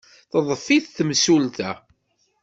Teḍḍef-it temsulta.